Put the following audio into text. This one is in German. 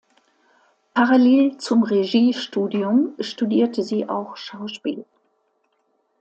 Parallel zum Regiestudium studierte sie auch Schauspiel.